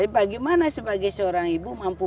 bagaimana sebagai seorang ibu mampu